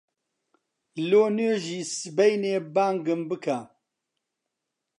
لۆ نوێژی سبەینێ بانگم بکە.